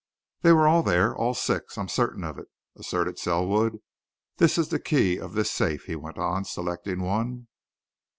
"They were all there all six. I'm certain of it," asserted Selwood. "This is the key of this safe," he went on, selecting one.